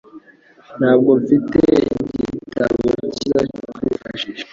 Ntabwo mfite igitabo cyiza cyo kwifashisha.